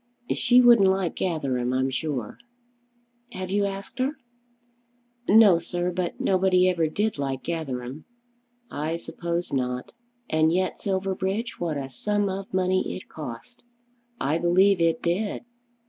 "She wouldn't like Gatherum, I'm sure." "Have you asked her?" "No, sir. But nobody ever did like Gatherum." "I suppose not. And yet, Silverbridge, what a sum of money it cost!" "I believe it did."